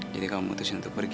jadi kamu memutuskan untuk pergi